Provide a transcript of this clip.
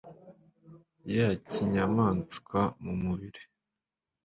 ya kinyamaswa mu mubiri